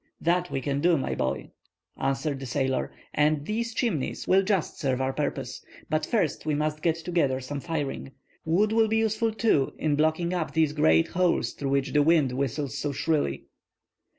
"That we can do, my boy," answered the sailor, "and these Chimneys will just serve our purpose. But first we must get together some firing. Wood will be useful, too, in blocking up these great holes through which the wind whistles so shrilly."